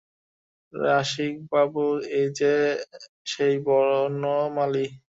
রসিকবাবু– এ যে সেই বনমালী!